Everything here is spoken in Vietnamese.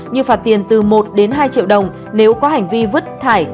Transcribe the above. như phạt tiền từ một đến hai triệu đồng nếu có hành vi vứt thải